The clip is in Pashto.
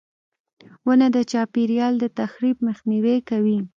• ونه د چاپېریال د تخریب مخنیوی کوي.